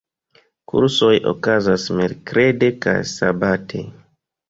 Kursoj okazas merkrede kaj sabate.